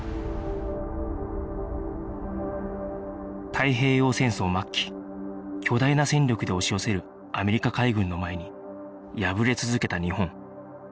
太平洋戦争末期巨大な戦力で押し寄せるアメリカ海軍の前に敗れ続けた日本